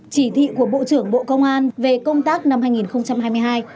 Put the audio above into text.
chỉ thị của bộ trưởng bộ công an về công tác năm hai nghìn hai mươi hai